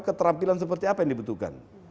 keterampilan seperti apa yang dibutuhkan